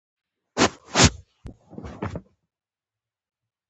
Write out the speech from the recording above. سرنزېب خان د اوچتې پائې ليکوال او اديب وو